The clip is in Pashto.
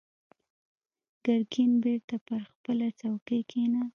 ګرګين بېرته پر خپله څوکۍ کېناست.